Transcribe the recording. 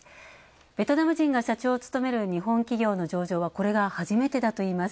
ベトナム人が社長を務める日本企業の上場はこれが初めてだといいます。